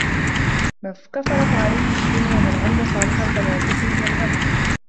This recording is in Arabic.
مَن كَفَرَ فَعَلَيهِ كُفرُهُ وَمَن عَمِلَ صالِحًا فَلِأَنفُسِهِم يَمهَدونَ